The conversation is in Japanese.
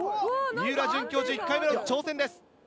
三浦准教授１回目の挑戦です。